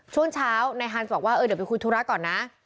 ช่วงเช้านายฮันส์บอกว่าเออเดี๋ยวไปคุยธุระก่อนนะ